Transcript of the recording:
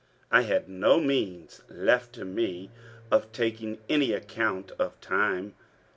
I had no means left to me of taking any account of time.